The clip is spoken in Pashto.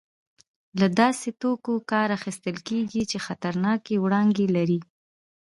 له داسې توکو کار اخیستل کېږي چې خطرناکې وړانګې لري.